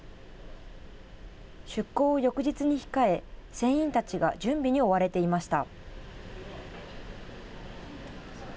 出航を翌日に控え船員たちが準備に追われていました。